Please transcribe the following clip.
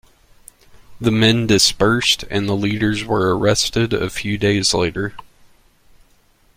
The men dispersed and the leaders were arrested a few days later.